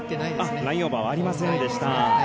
ラインオーバーはありませんでした。